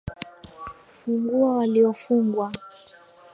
Fungua waliofungwa